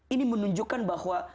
ini menunjukkan bahwa